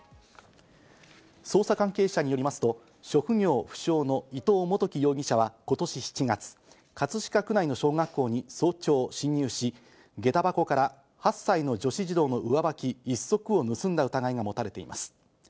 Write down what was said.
捜査関係者によりますと、職業不詳の伊藤元樹容疑者は今年７月、葛飾区内の小学校に早朝侵入し、げた箱から８歳の女子児童の上履き１足を盗んだ疑いがもたれています。